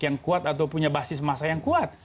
yang kuat atau punya basis masa yang kuat